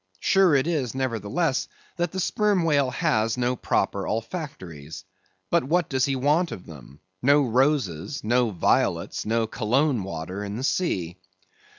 Sure it is, nevertheless, that the Sperm Whale has no proper olfactories. But what does he want of them? No roses, no violets, no Cologne water in the sea.